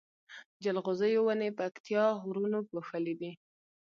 جلغوزيو ونی پکتيا غرونو پوښلي دی